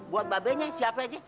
buat babenya siapa aja